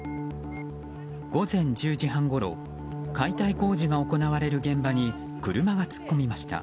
午前１０時半ごろ解体工事が行われる現場に車が突っ込みました。